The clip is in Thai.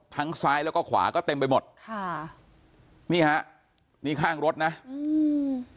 ซ้ายแล้วก็ขวาก็เต็มไปหมดค่ะนี่ฮะนี่ข้างรถนะอืม